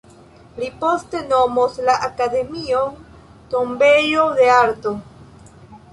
Li poste nomos la akademion "tombejo de arto.